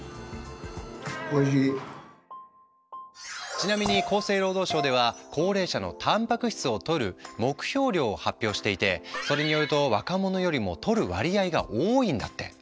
ちなみに厚生労働省では高齢者のたんぱく質をとる目標量を発表していてそれによると若者よりもとる割合が多いんだって。